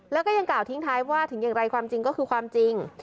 แล้วก็ยังกล่าวทิ้งท้ายว่าถึงอย่างไรความจริงก็คือความจริง